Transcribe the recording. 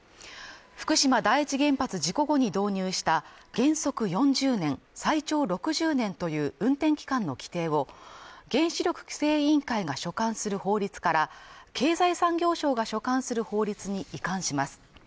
福島第一原発事故後に導入した原則４０年、最長６０年という運転期間の規定を原子力規制委員会が所管する法律から経済産業省が所管する法律に移管します。